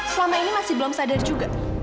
selama ini masih belum sadar juga